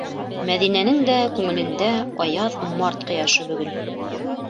Мәҙинәнең дә күңелендә аяҙ март ҡояшы бөгөн.